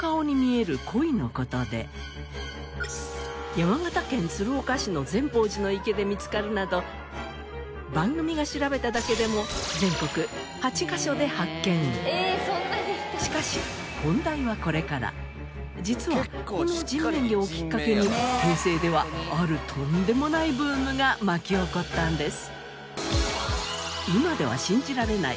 山形県鶴岡市の善宝寺の池で見つかるなど番組が調べただけでもしかし実はこの人面魚をきっかけに平成ではあるとんでもないブームが巻き起こったんです。